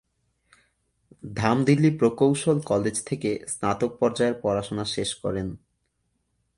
ধাম দিল্লি প্রকৌশল কলেজ থেকে স্নাতক পর্যায়ের পড়াশোনা শেষ করেন।